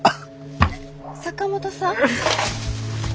坂本さん？